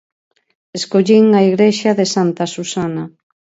Escollín a Igrexa de Santa Susana.